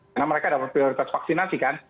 karena mereka dapat prioritas vaksinasi kan